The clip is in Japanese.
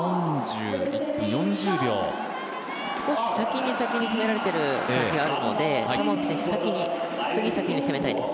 少し先に先に攻められている感じがあるので、玉置選手、次は先に攻めたいです。